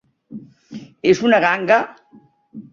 És una ganga?